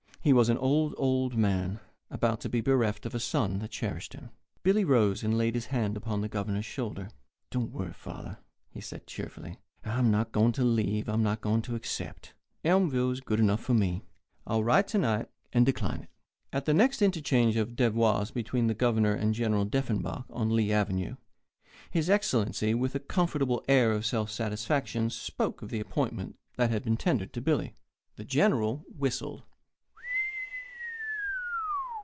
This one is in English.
He was an old, old man about to be bereft of a son that cherished him. Billy rose, and laid his hand upon the Governor's shoulder. "Don't worry, father," he said, cheerfully. "I'm not going to accept. Elmville is good enough for me. I'll write to night and decline it." At the next interchange of devoirs between the Governor and General Deffenbaugh on Lee Avenue, His Excellency, with a comfortable air of self satisfaction, spoke of the appointment that had been tendered to Billy. The General whistled.